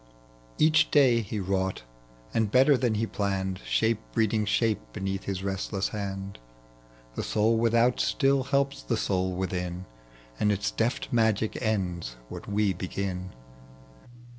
Each day he wrought and better than he planned, Shape breeding shape beneath hia restless hand. (The soul without still helps the soul within, And its deft magic ends what we begin.)